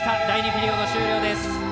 第２ピリオド終了です。